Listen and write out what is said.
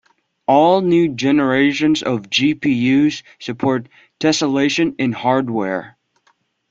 All new generations of GPUs support tesselation in hardware.